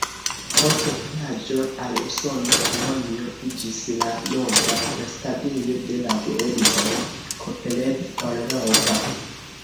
Post vojaĝo al Usono, Kolonjo iĝis la nova restadejo de la geedzoj Kopelev-Orlova.